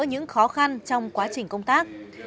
những khó khăn trong quá trình công tác